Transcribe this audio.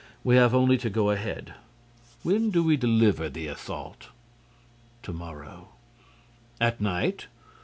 We have only to go ahead. When do we deliver the assault?" "To morrow." "At night?"